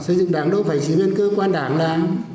xây dựng đảng đâu phải chỉ bên cơ quan đảng là